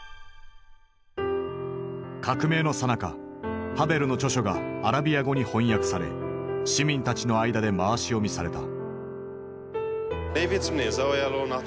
革命のさなかハヴェルの著書がアラビア語に翻訳され市民たちの間で回し読みされた。